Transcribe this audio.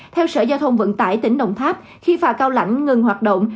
theo sở giao thông vận tải tỉnh đồng tháp khi phà cao lãnh ngừng hoạt động